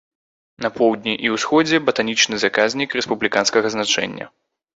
На поўдні і ўсходзе батанічны заказнік рэспубліканскага значэння.